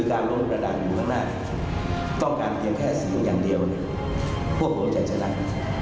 แล้วประดับอยู่ข้างหน้าต้องการเพียงแค่สิ่งอย่างเดียวพวกเราจะจัดลับ